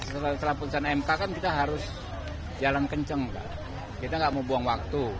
setelah putusan mk kan kita harus jalan kenceng kita nggak mau buang waktu